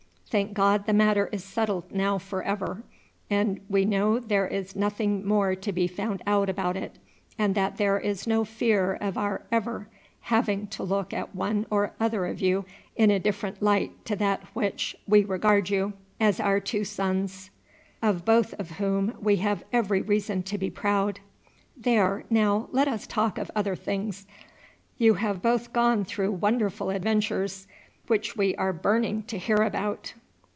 Thank God the matter is settled now for ever, and we know there is nothing more to be found out about it, and that there is no fear of our ever having to look at one or other of you in a different light to that with which we regard you, as our two sons, of both of whom we have every reason to be proud. There now, let us talk of other things. You have both gone through wonderful adventures, which we are burning to hear about."